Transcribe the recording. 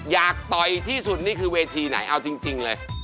ต่อยที่สุดนี่คือเวทีไหนเอาจริงเลย